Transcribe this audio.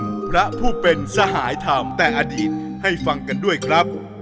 เป็นพระผู้เป็นสหายธรรมแต่อดีตให้ฟังกันด้วยครับ